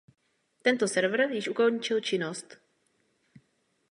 Tento server již ukončil činnost.